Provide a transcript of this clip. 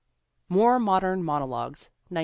More Modern Monologues, 1907.